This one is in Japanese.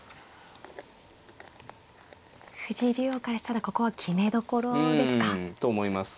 藤井竜王からしたらここは決めどころですか。と思います。